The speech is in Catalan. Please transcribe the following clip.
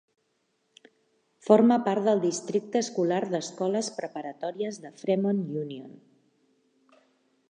Forma part del Districte escolar d'escoles preparatòries de Fremont Union.